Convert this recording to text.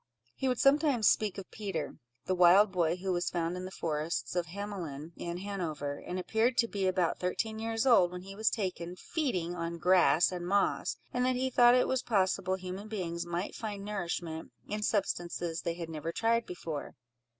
He would sometimes speak of Peter, the wild boy, who was found in the forests of Hamelin, in Hanover, and appeared to be about thirteen years old when he was taken feeding on grass and moss, and that he thought it was possible human beings might find nourishment in substances they had never tried before.